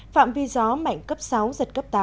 phạm vi gió mạnh cấp sáu giật cấp tám